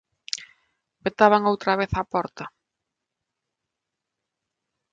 Petaban outra vez á porta.